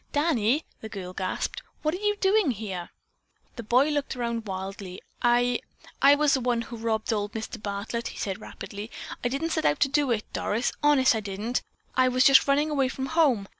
"Danny," the girl gasped, "what are you doing here?" The boy looked around wildly: "I—I was the one who robbed old Mr. Bartlett," he said rapidly. "I didn't set out to do it, Doris! Honest, I didn't! I was just a running away from home.